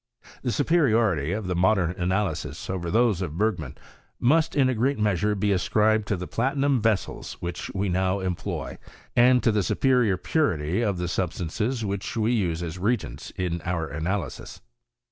The superiority of the modem analyses over those of Bergman must in a great measure be ascribed to the platinum vessels which we now employ, and to the superior purity of the sub stances which we use as reagents in our analyses.